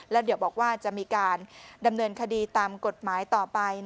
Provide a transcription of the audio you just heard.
แล้วเดี๋ยวบอกว่าจะมีการดำเนินคดีตามกฎหมายต่อไป